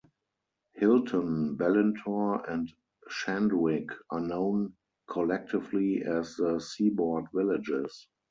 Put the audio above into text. Hilton, Balintore, and Shandwick are known collectively as the Seaboard Villages.